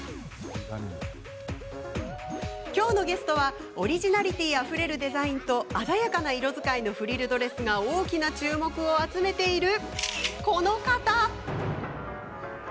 きょうのゲストはオリジナリティーあふれるデザインと鮮やかな色使いのフリルドレスが大きな注目を集めているこの方。